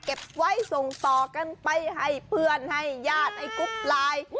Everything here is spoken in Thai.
เก็บไว้ส่งต่อกันไปให้เพื่อนให้ญาติให้กรุ๊ปไลน์